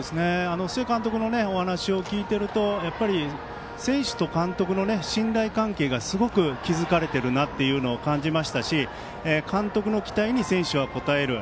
須江監督のお話を聞いていると選手と監督の信頼関係がすごく築かれてるなと感じましたし監督の期待に選手は応える。